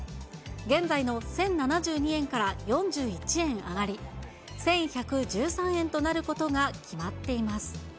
現在の１０７２円から４１円上がり、１１１３円となることが決まっています。